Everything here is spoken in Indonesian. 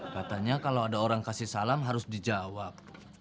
katanya kalau ada orang kasih salam harus dijawab